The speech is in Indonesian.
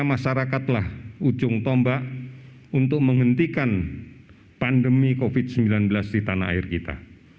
masyarakatlah ujung tombak untuk menghentikan pandemi covid sembilan belas di tanah air kita